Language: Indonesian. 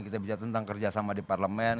kita bicara tentang kerjasama di parlemen